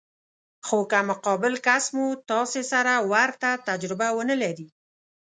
خو که مقابل کس مو تاسې سره ورته تجربه ونه لري.